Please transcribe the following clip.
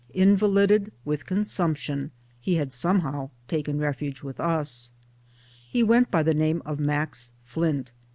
In valided with consumption he had somehow taken refuge with us. He went by the name of Max Flint.